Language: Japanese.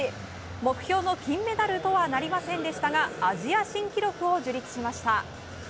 目標の金メダルとはなりませんでしたがアジア新記録を樹立しました。